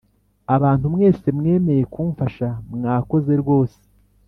Abantu mwese mwemeye kumfasha mwakoze rwose